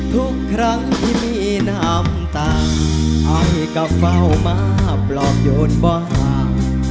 ทุกครั้งที่มีน้ำตาให้ก็เฝ้ามาปลอบโยนบ้าง